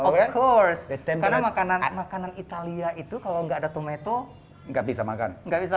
tentu saja karena makanan italia itu kalau gak ada tomat gak bisa makan